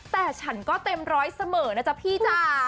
แต่ฉันก็เต็มร้อยเสมอนะจ๊ะพี่จ้า